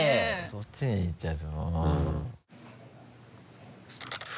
そっちに行っちゃう。